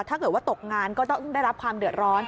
ถ้าเกิดว่าตกงานก็ต้องได้รับความเดือดร้อน